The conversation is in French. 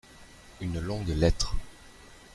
Une longue lettre.